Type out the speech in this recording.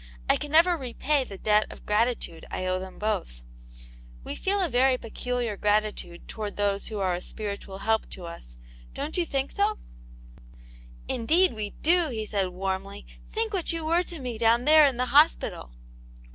I never can repay the debt of gratitude I owe them both; We feel a very peculiar gratitude towards those who are a spiritual help to us ; don't you think so ?"" Indeed, we do I " he said, warmly. "Think what you were to me down there in the hospital."